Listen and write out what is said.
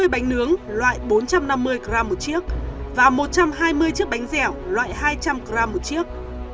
hai mươi bánh nướng loại bốn trăm năm mươi g một chiếc và một trăm hai mươi chiếc bánh dẻo loại hai trăm linh g một chiếc